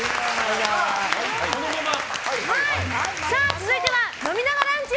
続いては飲みながランチ！